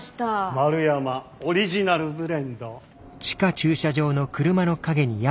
丸山オリジナルブレンド。